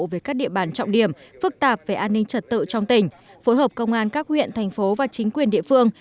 về các địa bàn trọng điểm phức tạp về an ninh trật tự trong tỉnh phối hợp công an các huyện thành phố và chính quyền địa phương